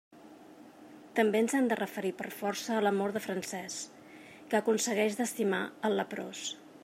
També ens hem de referir per força a l'amor de Francesc, que aconsegueix d'estimar el leprós.